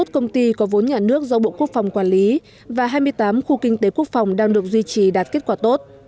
hai mươi công ty có vốn nhà nước do bộ quốc phòng quản lý và hai mươi tám khu kinh tế quốc phòng đang được duy trì đạt kết quả tốt